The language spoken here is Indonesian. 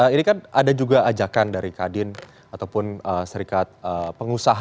ini kan ada juga ajakan dari kadin ataupun serikat pengusaha